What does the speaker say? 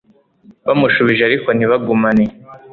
Bamusubije ariko ntibagumane